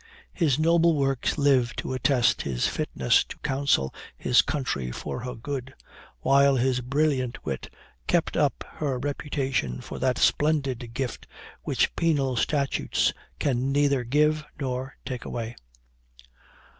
His noble works live to attest his fitness to counsel his country for her good, while his brilliant wit kept up her reputation for that splendid gift which penal statutes can neither give nor take away."